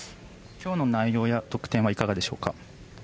今日の内容や得点はいかがでしょうか？